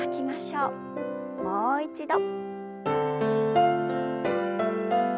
もう一度。